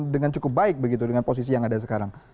dengan cukup baik begitu dengan posisi yang ada sekarang